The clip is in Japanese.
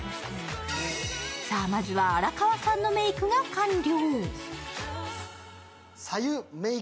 さあ、まずは荒川さんのメークが完了。